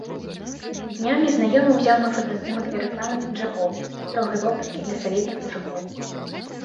Днямі знаёмы ўзяў мой фотаздымак для рэкламы пінжакоў, строгай вопраткі для салідных мужыкоў.